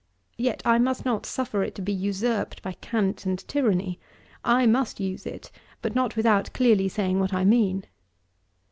Yet I must not suffer it to be usurped by cant and tyranny. I must use it: but not without clearly saying what I mean.